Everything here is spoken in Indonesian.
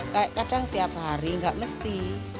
kayak kadang tiap hari nggak mesti